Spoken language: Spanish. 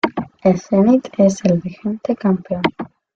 El Zenit es el vigente campeón.